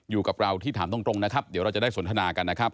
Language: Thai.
อยู่กับเราที่ถามตรงนะครับเดี๋ยวเราจะได้สนทนากันนะครับ